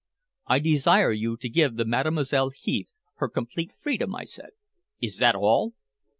"I desire you to give the Mademoiselle Heath her complete freedom," I said. "Is that all?"